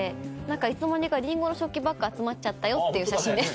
いつの間にかリンゴの食器ばっか集まっちゃったよっていう写真です。